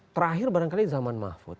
terakhir barangkali zaman mahfud